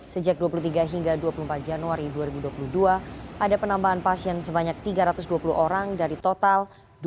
sejak dua puluh tiga hingga dua puluh empat januari dua ribu dua puluh dua ada penambahan pasien sebanyak tiga ratus dua puluh orang dari total